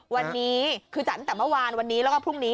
วันนี้คือจัดตั้งแต่เมื่อวานวันนี้แล้วก็พรุ่งนี้